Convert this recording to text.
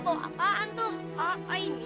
orang b audiobook takut jadinya